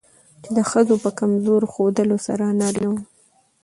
چې د ښځو په کمزور ښودلو سره نارينه وو